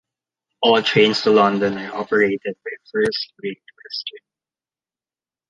All trains to London are operated by First Great Western.